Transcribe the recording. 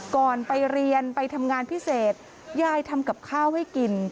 ก่อนไปเรียนไปทำงานพิเศษยายทำกับข้าวให้กิน